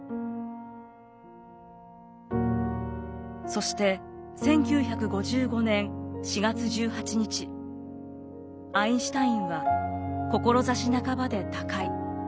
そして１９５５年４月１８日アインシュタインは志半ばで他界。